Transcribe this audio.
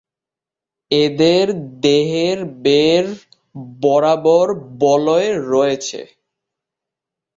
এদের দেহের বেড় বরাবর বলয় রয়েছে।